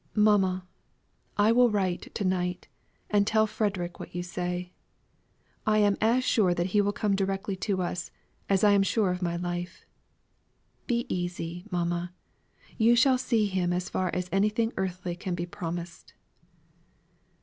"Mamma, I will write to night, and tell Frederick what you say. I am as sure that he will come directly to us, as I am sure of my life. Be easy, mamma, you shall see him as far as anything earthly can be promised."